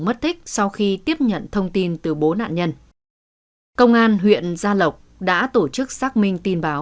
mất thích sau khi tiếp nhận thông tin